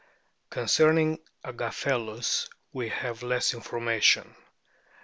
Concerning Agaphelus we have less information.